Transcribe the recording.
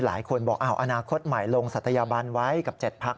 หลายคนบอกอ้าวอนาคตใหม่ลงศัตยาบันไว้กับเจ็ดภักษ์